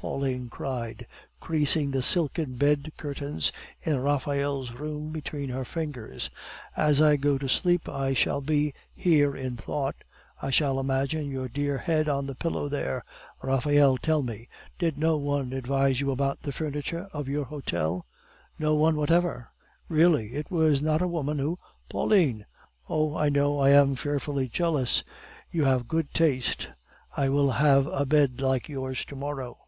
Pauline cried, creasing the silken bed curtains in Raphael's room between her fingers. "As I go to sleep, I shall be here in thought. I shall imagine your dear head on the pillow there. Raphael, tell me, did no one advise you about the furniture of your hotel?" "No one whatever." "Really? It was not a woman who " "Pauline!" "Oh, I know I am fearfully jealous. You have good taste. I will have a bed like yours to morrow."